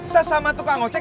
sesama tukang ojek